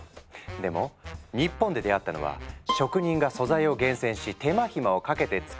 でも日本で出会ったのは職人が素材を厳選し手間暇をかけて作り出すスープ。